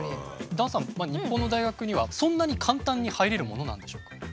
段さん日本の大学にはそんなに簡単に入れるものなんでしょうか？